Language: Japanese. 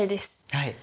はい。